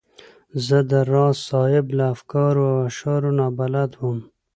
زه د راز صاحب له افکارو او اشعارو نا بلده وم.